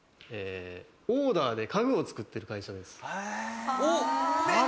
オーダーで家具を作っている会社です。